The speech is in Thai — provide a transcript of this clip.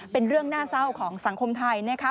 เป็นเรื่องน่าเศร้าของสังคมไทยนะคะ